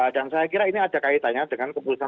dan saya kira ini ada kaitannya dengan keputusan